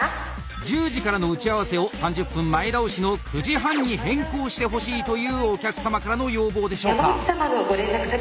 １０時からの打ち合わせを３０分前倒しの９時半に変更してほしいというお客様からの要望でしょうか。